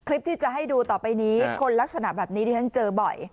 คลิปที่จะให้ดูต่อไปนี้คนลักษณะแบบนี้ที่ฉันเจอบ่อย